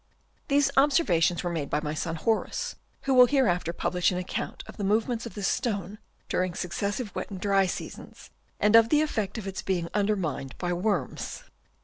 These observations were made by my son Horace, who will hereafter publish an account of the movements of this stone during successive wet and dry seasons, and of the effects of its being undermined by worms.